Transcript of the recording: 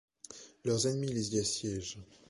Leurs ennemis les y assiègent.